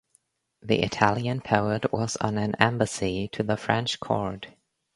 The Italian poet was on an embassy to the French court.